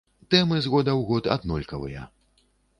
Тэмы з года ў год аднолькавыя.